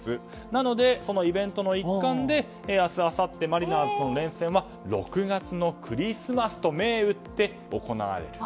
なのでそのイベントの一環で明日、あさってマリナーズとの連戦は６月のクリスマスと銘打って行われる。